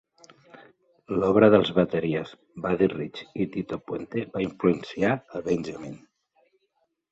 La obra dels bateries Buddy Rich i Tito Puente va influenciar a Benjamin.